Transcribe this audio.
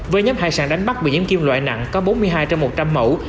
với nhóm hải sản đánh bắt bị nhiễm kim loại nặng có bốn mươi hai trên một trăm linh mẫu